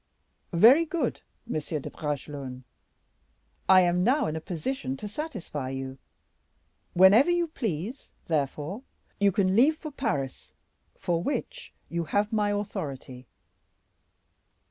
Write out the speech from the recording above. Very good, Monsieur de Bragelonne; I am now in a position to satisfy you; whenever you please, therefore, you can leave for Paris, for which you have my authority."